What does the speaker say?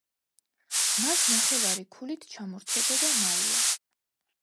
მას ნახევარი ქულით ჩამორჩებოდა მაია.